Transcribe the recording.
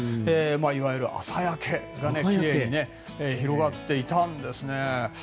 いわゆる朝焼けが奇麗に広がっていたんですね。